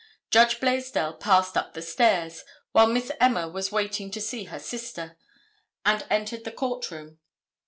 Judge Blaisdell passed up the stairs, while Miss Emma was waiting to see her sister, and entered the court room.